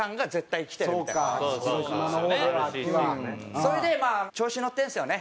それでまあ調子乗ってるんですよね